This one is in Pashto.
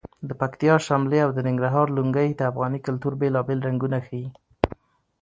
د پکتیا شملې او د ننګرهار لنګۍ د افغاني کلتور بېلابېل رنګونه ښیي.